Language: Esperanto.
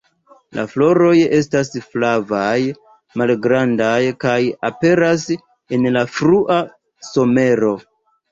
La floroj estas flavaj, malgrandaj kaj aperas en la frua somero.